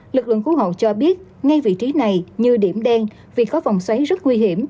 lực lượng cứu hộ cho biết ngay vị trí này như điểm đen vì có vòng xoáy rất nguy hiểm